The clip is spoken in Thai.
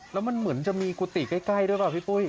แล้วมันเหมือนจะมีกุฏิใกล้ด้วยป่ะพี่ปุ้ย